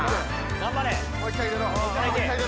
頑張れ！